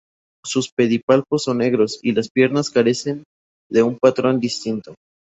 Sus pedipalpos son negros, y las piernas carecen de un patrón distinto.